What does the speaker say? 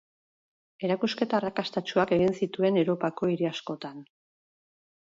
Erakusketa arrakastatsuak egin zituen Europako hiri askotan.